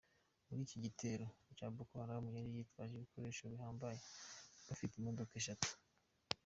Muri iki gitero ngo Boko Haram yari yitwaje ibikoresho bihambaye , bafite imodoka eshanu.